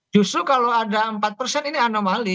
justru kalau ada empat persen ini anomali